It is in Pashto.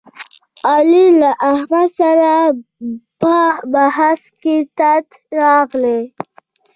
علي له احمد سره په بحث کې تت راغلی.